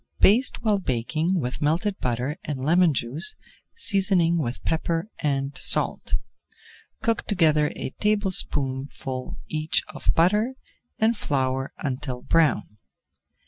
Baste while baking with melted butter and lemon juice, seasoning with pepper and salt. Cook together a tablespoonful each of butter and flour until brown.